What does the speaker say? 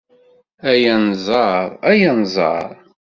Ay Anẓar, ay Anẓar